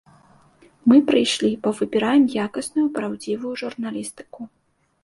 Мы прыйшлі, бо выбіраем якасную, праўдзівую журналістыку.